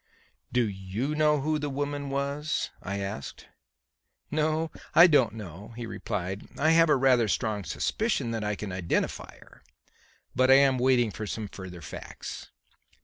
"Do you know who the woman was?" I asked. "No, I don't know," he replied. "I have a rather strong suspicion that I can identify her, but I am waiting for some further facts."